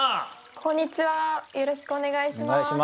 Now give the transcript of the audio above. こんにちはよろしくおねがいします。